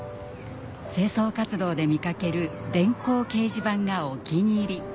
清掃活動で見かける電光掲示板がお気に入り。